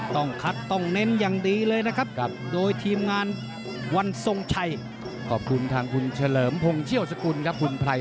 ต้องคัดต้องเน้นอย่างดีเลยนะครับโดยทีมงานวันทรงชัยขอบคุณทางคุณเฉลิมพงศ์เชี่ยวสกุลครับคุณไพร